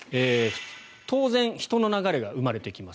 当然人の流れが生まれてきます。